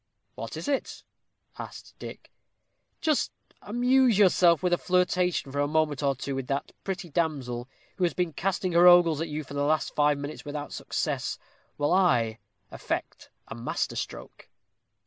"What is it?" asked Dick. "Just amuse yourself with a flirtation for a moment or two with that pretty damsel, who has been casting her ogles at you for the last five minutes without success, while I effect a master stroke."